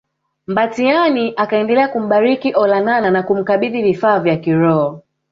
Mbatiany akaendelea kumbariki Olonana na kumkabidhi vifaa vya kiroho